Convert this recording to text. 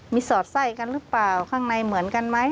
มีสอดไส้กันหรือเปล่าข้างในเหมือนกันไหม